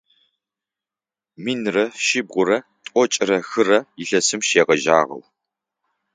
Минрэ шъибгъурэ тӏокӏрэ хырэ илъэсым шегъэжьагъэу.